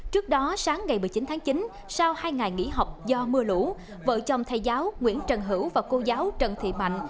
trước đó sáng ngày một mươi chín tháng chín sau hai ngày nghỉ học do mưa lũ vợ chồng thầy giáo nguyễn trần hữu và cô giáo trần thị mạnh